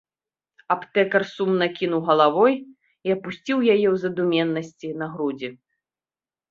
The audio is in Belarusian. Аптэкар сумна кіўнуў галавой і апусціў яе ў задуменнасці на грудзі!